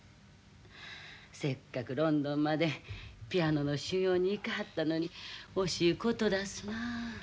せっかくロンドンまでピアノの修業に行かはったのに惜しいことだすなあ。